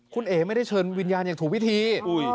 คุณเอ๋ไม่ได้เชิญวิญญาณอย่างถูกวิธี